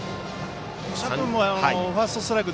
謝君もファーストストライク